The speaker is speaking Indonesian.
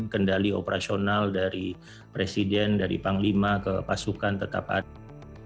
kendali operasional dari presiden dari panglima ke pasukan tetap ada